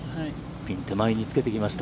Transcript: ピン手前につけてきました。